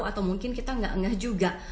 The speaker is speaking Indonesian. atau mungkin kita tidak menganggap juga